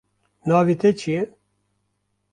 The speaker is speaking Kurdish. navê te çi ye